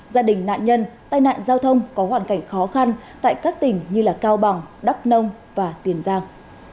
gia đình nạn nhân tai nạn giao thông có hoàn cảnh khó khăn tại các tỉnh như cao bằng đắk nông và tiền giang